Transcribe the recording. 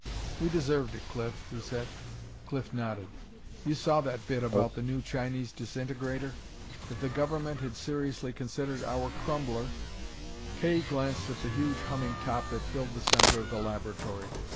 "We deserved it, Cliff," he said. Cliff nodded. "You saw that bit about the new Chinese disintegrator? If the Government had seriously considered our Crumbler " Kay glanced at the huge, humming top that filled the center of the laboratory.